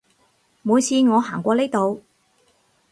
每次我行過呢度